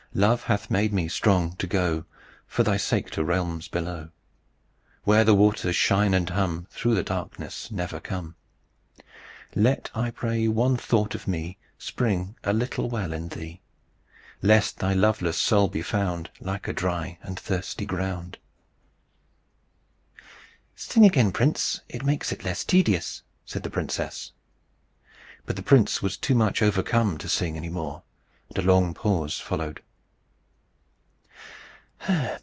Love hath made me strong to go, For thy sake, to realms below, Where the water's shine and hum Through the darkness never come: Let, I pray, one thought of me Spring, a little well, in thee; Lest thy loveless soul be found Like a dry and thirsty ground." "Sing again, prince. It makes it less tedious," said the princess. But the prince was too much overcome to sing any more, and a long pause followed.